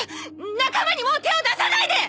仲間にもう手を出さないで！